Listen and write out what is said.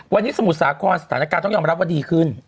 วันนี้สมุทรสาครสถานการณ์ต้องยอมรับว่าดีขึ้น